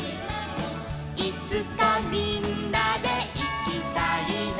「いつかみんなでいきたいな」